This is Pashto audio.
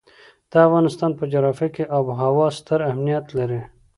د افغانستان په جغرافیه کې آب وهوا ستر اهمیت لري.